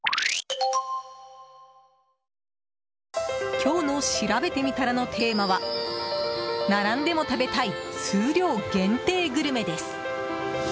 今日のしらべてみたらのテーマは並んでも食べたい数量限定グルメです。